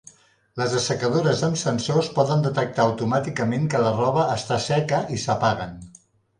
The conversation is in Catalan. Les assecadores amb sensors poden detectar automàticament que la roba està seca i s'apaguen.